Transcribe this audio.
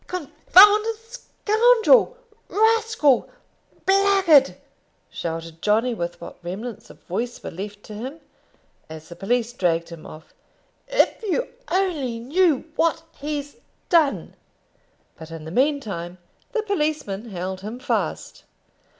"Con founded scoundrel, rascal, blackguard!" shouted Johnny, with what remnants of voice were left to him, as the police dragged him off. "If you only knew what he's done." But in the meantime the policemen held him fast.